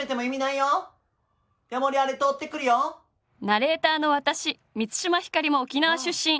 ナレーターの私満島ひかりも沖縄出身。